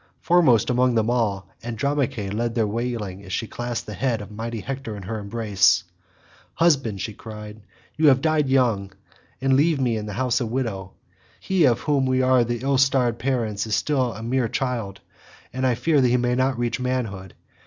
Foremost among them all Andromache led their wailing as she clasped the head of mighty Hector in her embrace. "Husband," she cried, "you have died young, and leave me in your house a widow; he of whom we are the ill starred parents is still a mere child, and I fear he may not reach manhood.